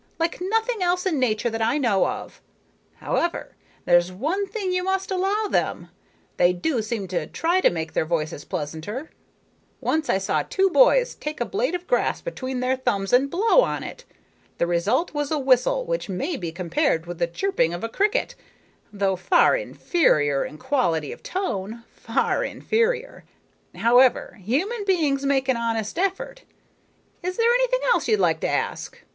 Like nothing else in nature that I know of. However, there's one thing you must allow them: they do seem to try to make their voices pleasanter. Once I saw two boys take a blade of grass between their thumbs and blow on it. The result was a whistle which may be compared with the chirping of a cricket, though far inferior in quality of tone, far inferior. However, human beings make an honest effort. Is there anything else you'd like to ask?